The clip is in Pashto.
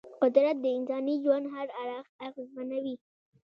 قدرت د انساني ژوند هر اړخ اغېزمنوي.